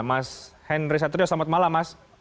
mas henry satrio selamat malam mas